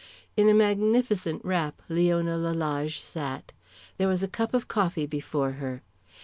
In a magnificent wrap Leona Lalage sat. There was a cup of coffee before her.